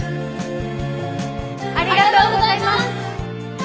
ありがとうございます！